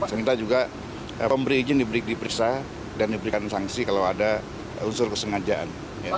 kita juga memberi izin diperiksa dan diberikan sanksi kalau ada unsur kesengajaan